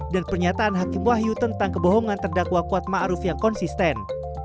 dan pernyataan hakim wahyu tentang kebohongan terdakwa kuat ma'ruf yang konsisten